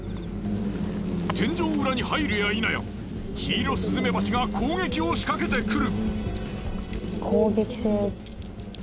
天井裏に入るやいなやキイロスズメバチが攻撃をしかけてくる。